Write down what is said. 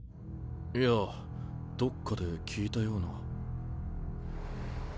いやどっかで聞いたような。